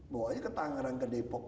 bawa aja ke tangerang ke depok